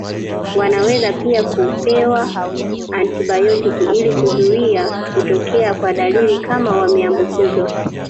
Wanaweza pia kupewa antibayotiki ili kuzuia kutokea kwa dalili kama wameambukizwa